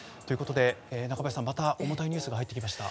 中林さん、また重たいニュースが入ってきました。